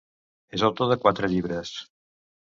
És autor de quatre llibres.